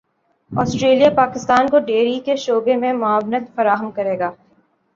Australia Pakistan کو dairy کے شعبے میں معاونت فراہم کرے گا